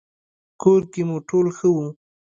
کور کې مو ټول ښه وو؟